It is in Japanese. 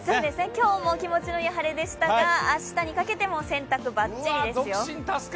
今日も気持ちのいい晴れでしたが明日にかけても洗濯バッチリですよ。